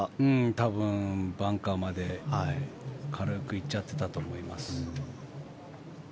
多分バンカーまで軽く行っちゃってたと思います。